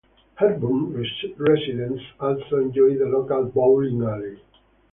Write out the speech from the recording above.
Hepburn residents also enjoy the local bowling alley.